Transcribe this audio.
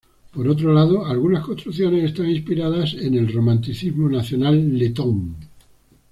Por otro lado, algunas construcciones están inspiradas en el romanticismo nacional letón.